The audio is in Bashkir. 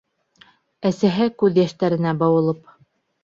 Әсәһе күҙ йәштәренә быуылып: